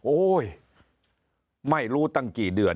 โอ้โหไม่รู้ตั้งกี่เดือน